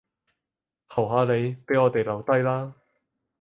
求下你，畀我哋留低啦